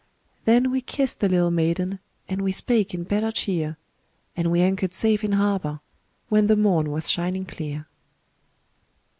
Then we kissed the little maiden, And we spake in better cheer, And we anchored safe in harbor When the morn was shining clear.